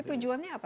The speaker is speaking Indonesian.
tapi tujuannya apa